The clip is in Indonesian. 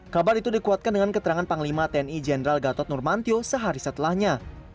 kabar itu dikuatkan dengan keterangan panglima tni jenderal gatot nurmantio sehari setelahnya